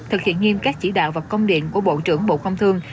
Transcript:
thực hiện nghiêm các chỉ đạo và công điện của bộ trưởng bộ công thương